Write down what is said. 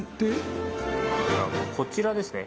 こちらですね